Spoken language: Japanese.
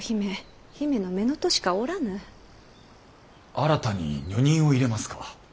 新たに女人を入れますか？